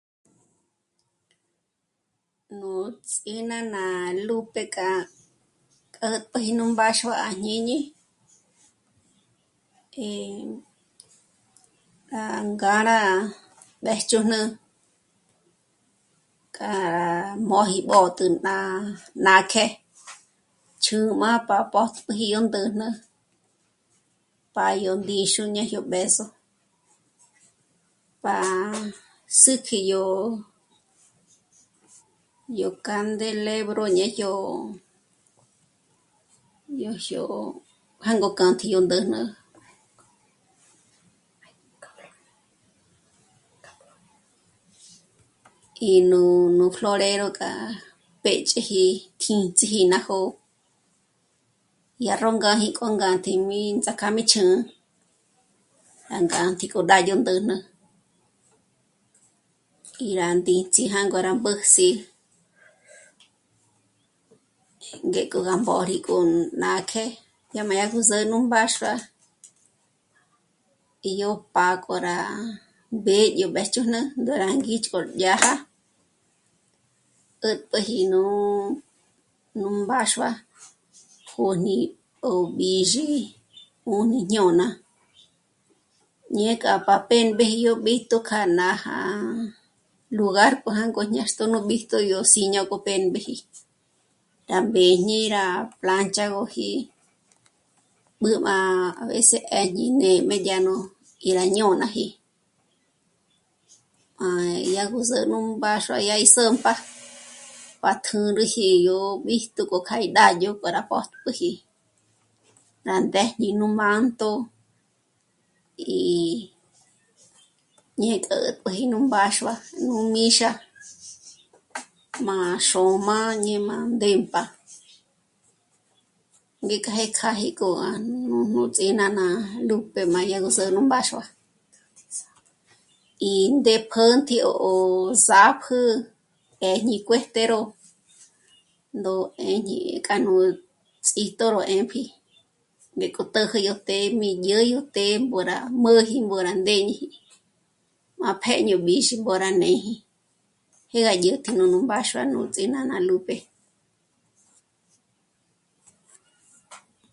Nú Ts'í Nána Lúpe k'a k'ä̀tpäji nú mbáxua à jñíñi eh..., à ngâra mbéjchujn'ü k'a rá mbóji mótjo k'a nǎ'a kjè'e chjǔm'a pa pótpüji yó ndä̂jnä pa yó ndíxu ñé yó b'ë̌zo, pa sä̀kji yó, yó candelebro o ñe yó, ñé yó jângo kjântji yó ndä̂jnä í nú, nú florero k'a péch'eji kjíndziji ná jó'o, dyá ró ngáji k'o ngátjim'i tsá k'a má chjä̀'ä, já ngā́tji yó k'a yó ndä̂jnä í rá ndíts'i jângo rá mbä̌js'i, ngék'o rá mbôri k'o nǎ'a k'e má yá ngúzü nú mbáxua í yó pá'a k'o rá mbê'e yó mbéjchujn'ü ndó rá ngích'k'o yája 'ä̀tp'äji nú, nú mbáxua 'ùni ó b'ǐzhi, 'ùni jñôna ñé k'a pa p'émbeji yó b'íjtu k'a nája lugar k'o jângo ñâxtjo nú b'íjtu k'o yó Siño k'o p'émbeji. Rá mbéñi rá plánchagoji b'ǘ má 'ä̀s'ü 'éñi ngêm'e yá nú... í rá jñônaji, má dyá gó zǚ'ü nú mbáxua dyá gí s'ä́mp'a pa tjǔrüji yó b'íjtu k'o kjâ'a í d'ádyo k'o rá pótpüji rá ndéjñi nú manto í ñé k'ä̌tp'äji nú mbáxua, nú míxa má xôm'a ñé má ndémp'a. Ngék'a jé kjâji k'o à jnúnu Ts'í Nána Lúpe má yá gó zǚ'ü nú mbáxua í ndépjǚntji ó sápjü 'éjñi cuéjtero ndó 'éñi k'a nú ts'ítoro 'épji, ngék'o tä́jä yó të́'ë, mí dyö́dyü të́'ë ngó rá mä̀ji ngó rá nději, má pjé'e yó b'ǐzhi mô'o rá néji, jé gá dyä̀tji nú mbáxua nú Ts'í Nána Lúpe